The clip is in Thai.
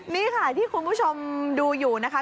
นี่ค่ะที่คุณผู้ชมดูอยู่นะคะ